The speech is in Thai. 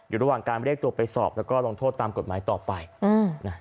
อยู่ระหว่างการเรียกตัวไปสอบแล้วก็ลงโทษตามกฎหมายต่อไปอืมนะ